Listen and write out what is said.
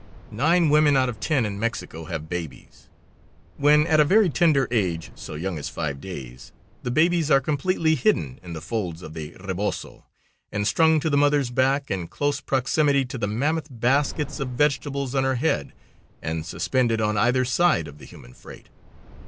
Nine women out of ten in Mexico have babies. When at a very tender age, so young as five days, the babies are completely hidden in the folds of the rebozo and strung to the mother's back, in close proximity to the mammoth baskets of vegetables on her head and suspended on either side of the human freight.